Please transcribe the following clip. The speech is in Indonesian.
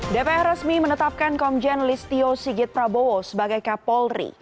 dpr resmi menetapkan komjen listio sigit prabowo sebagai kapolri